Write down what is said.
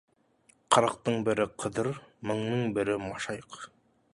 Қырықтың бірі — Қыдыр, мыңның бірі — Машайық.